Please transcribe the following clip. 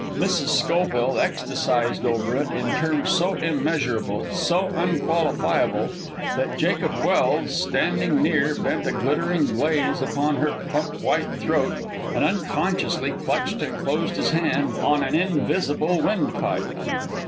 Mrs. Schoville ecstasized over it in terms so immeasurable, so unqualifiable, that Jacob Welse, standing near, bent a glittering gaze upon her plump white throat and unconsciously clutched and closed his hand on an invisible windpipe.